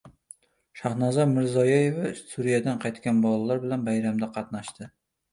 Shahnoza Mirziyoyeva Suriyadan qaytgan bolalar bilan bayramda qatnashdi